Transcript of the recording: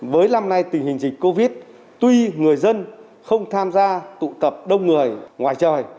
với năm nay tình hình dịch covid tuy người dân không tham gia tụ tập đông người ngoài trời